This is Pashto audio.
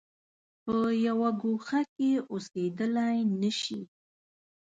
په یوه ګوښه کې اوسېدلای نه شي.